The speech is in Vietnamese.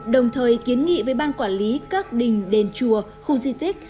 đồng thời kiến nghị với ban quản lý các đình đền chùa khu di tích